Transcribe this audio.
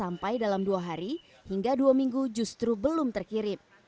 sampai dalam dua hari hingga dua minggu justru belum terkirim